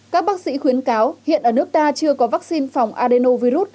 các bác sĩ khuyến cáo hiện ở nước ta chưa có vaccine phòng adenovirus